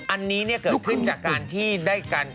อันนี้เกิดขึ้นจากการที่ได้กัน